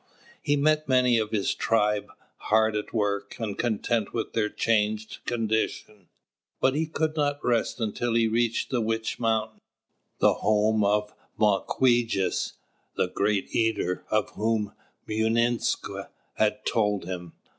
He met many of his tribe, hard at work, and content with their changed condition; but he could not rest until he reached the Witch Mountain, the home of Mawquejess, the Great Eater, of whom Mūinsq' had told him.